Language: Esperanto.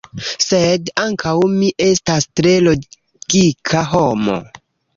sed ankaŭ mi estas tre logika homo